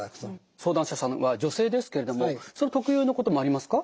相談者さんの場合女性ですけれどもその特有のこともありますか？